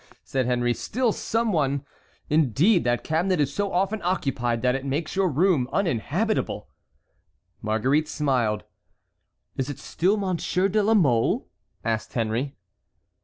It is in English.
said Henry, "still someone? Indeed, that cabinet is so often occupied that it makes your room uninhabitable." Marguerite smiled. "Is it still Monsieur de la Mole?" asked Henry.